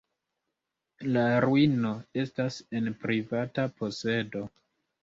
La ruino estas en privata posedo.